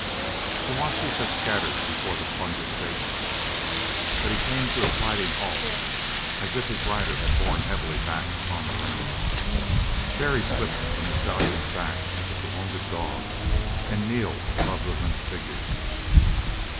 The watchers had scattered before the plunge of Satan, but he came to a sliding halt, as if his rider had borne heavily back upon the reins. Barry slipped from the stallion's back with the wounded dog, and kneeled above the limp figure.